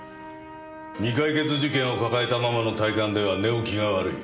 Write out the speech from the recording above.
未解決事件を抱えたままの退官では寝起きが悪い。